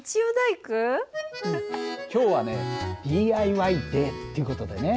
今日はねＤＩＹデーっていう事でね。